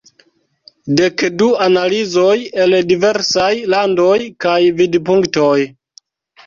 Dek du analizoj el diversaj landoj kaj vidpunktoj".